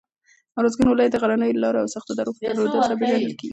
اروزګان ولایت د غرنیو لاره او سختو درو په درلودلو سره پېژندل کېږي.